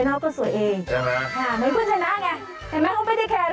ถ้าเป็นอย่างนี้เขาก็ยังเป็นที่รักเลย